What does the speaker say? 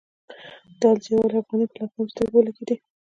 د الزاویة الافغانیه پر لوحه مې سترګې ولګېدې.